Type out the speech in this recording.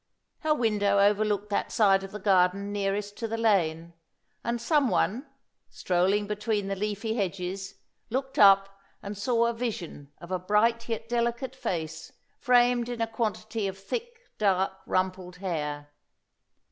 Her window overlooked that side of the garden nearest to the lane; and some one, strolling between the leafy hedges, looked up and saw a vision of a bright yet delicate face, framed in a quantity of thick, dark, rumpled hair.